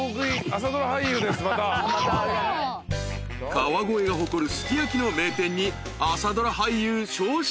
［川越が誇るすき焼きの名店に朝ドラ俳優招集］